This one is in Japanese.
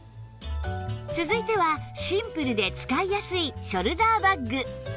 続いてはシンプルで使いやすいショルダーバッグ